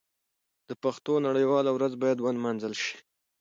د پښتو نړیواله ورځ باید ونمانځل شي.